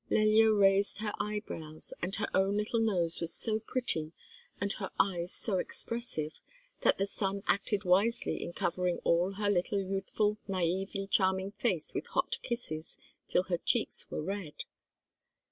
Lelya raised her eyebrows, and her own little nose was so pretty and her eyes so expressive, that the sun acted wisely in covering all her little youthful, naïvely charming face with hot kisses, till her cheeks were red.